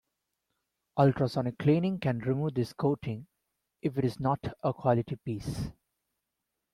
Ultrasonic cleaning can remove this coating, if it is not a quality piece.